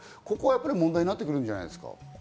ここは問題になってくるんじゃないですか？